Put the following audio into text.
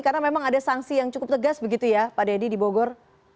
karena memang ada sanksi cukup tegas begitu ya pak dedy di bogor